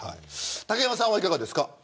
竹山さんは、いかがですか。